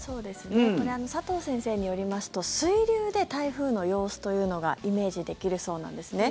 これは佐藤先生によりますと水流で台風の様子というのがイメージできるそうなんですね。